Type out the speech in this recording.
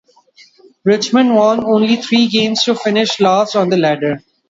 Richmond won only three games to finish last on the ladder.